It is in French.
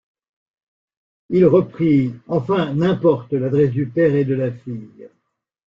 Il reprit: — Enfin n’importe! l’adresse du père et de la fille.